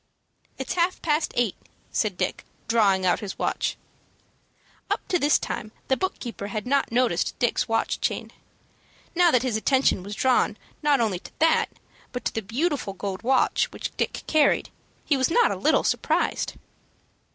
"It's half past eight," said Dick, drawing out his watch. Up to this time the book keeper had not noticed Dick's watch chain. Now that his attention was drawn not only to that, but to the beautiful gold watch which Dick carried, he was not a little surprised.